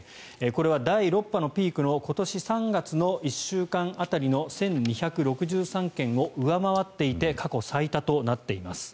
これは第６波のピークの今年３月の１週間当たりの１２６３件を上回っていて過去最多となっています。